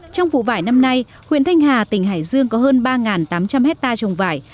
trong vụ vải năm nay huyện thanh hà tỉnh hải dương có hơn ba tám trăm linh hectare trồng vải